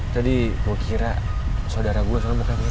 tadi gue kira sodara gue soal muka mirip